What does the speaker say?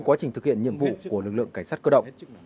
quá trình thực hiện nhiệm vụ của lực lượng cảnh sát cơ động